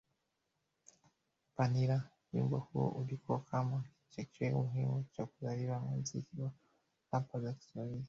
Vanilla Wimbo huo ulikuwa kama kichocheo muhimu cha kuzaliwa muziki wa rapu za Kiswahili